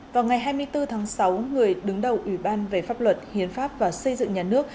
vào ngày hai mươi bốn tháng sáu người đứng đầu ủy ban về pháp luật hiến pháp và xây dựng nhà nước